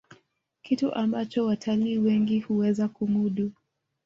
kitu ambacho watalii wengi huweza kumudu